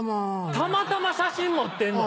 たまたま写真持ってんの？